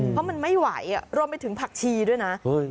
เพราะมันไม่ไหวรวมไปถึงผักชีด้วยนะ